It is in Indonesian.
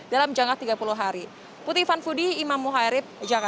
dalam jangka tiga puluh hari